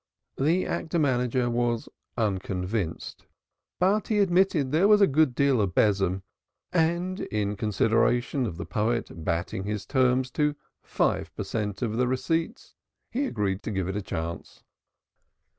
The actor manager was unconvinced, but he admitted there was a good deal of besom, and in consideration of the poet bating his terms to five per cent. of the receipts he agreed to give it a chance.